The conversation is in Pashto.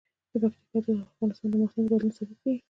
پکتیکا د افغانستان د موسم د بدلون سبب کېږي.